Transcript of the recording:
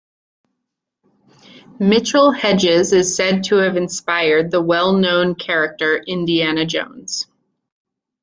Mitchell-Hedges is said to have inspired the well known character Indiana Jones.